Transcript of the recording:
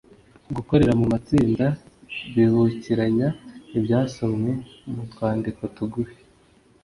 -gukorera mu matsinda bibukiranya ibyasomwe mu twandiko tugufi